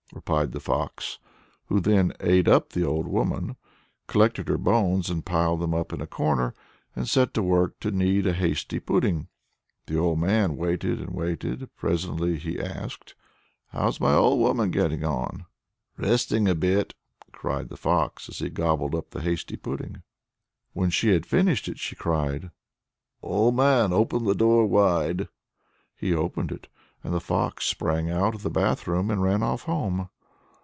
replied the fox, who then ate up the old woman, collected her bones and piled them up in a corner, and set to work to knead a hasty pudding. The old man waited and waited. Presently he asked; "How's my old woman getting on?" "Resting a bit!" cried the fox, as she gobbled up the hasty pudding. When she had finished it she cried: "Old man! open the door wide." He opened it, and the fox sprang out of the bath room and ran off home.